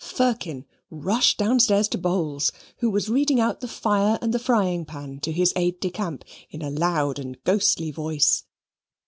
Firkin rushed downstairs to Bowls who was reading out the "Fire and the Frying Pan" to his aide de camp in a loud and ghostly voice.